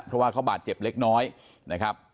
เพราะว่าเขาบาดเจ็บเล็กน้อยนะครับ